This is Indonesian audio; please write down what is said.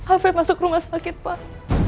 have masuk rumah sakit pak